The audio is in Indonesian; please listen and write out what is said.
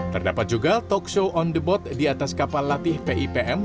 terdapat juga talkshow on the bot di atas kapal latih pipm